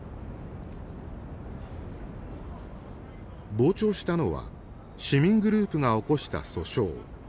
傍聴したのは市民グループが起こした訴訟。